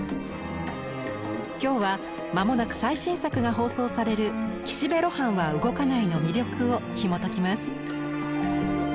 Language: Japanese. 今日は間もなく最新作が放送される「岸辺露伴は動かない」の魅力をひもときます。